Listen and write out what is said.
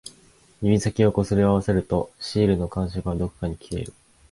指先を擦り合わせると、シールの感触はどこかに消える